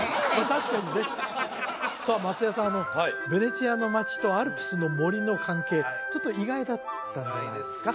確かにねさあ松也さんヴェネツィアの町とアルプスの森の関係ちょっと意外だったんじゃないですか？